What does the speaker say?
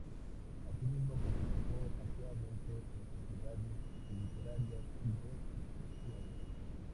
Asimismo, participó activamente en sociedades literarias y de instrucción.